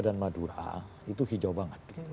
dan madura itu hijau banget